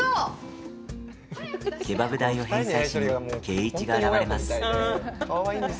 ケバブ代を返済しに圭一が現れます。